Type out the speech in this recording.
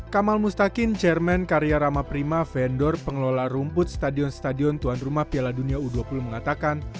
kamal mustakin chairman karya rama prima vendor pengelola rumput stadion stadion tuan rumah piala dunia u dua puluh mengatakan